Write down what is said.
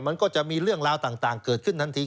มันก็จะมีเรื่องราวต่างเกิดขึ้นทันที